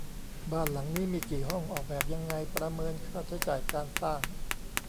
บ้านหลังนี้มีกี่ห้อง ออกแบบยังไง ประเมินค่าใช้จ่ายการสร้าง